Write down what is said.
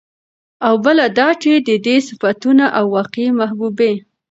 او بله دا چې د دې صفتونو او واقعي محبوبې